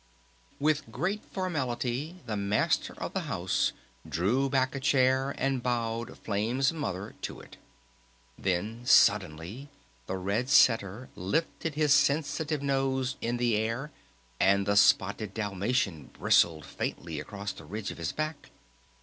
With great formality the Master of the House drew back a chair and bowed Flame's Mother to it. Then suddenly the Red Setter lifted his sensitive nose in the air, and the spotted Dalmatian bristled faintly across the ridge of his back.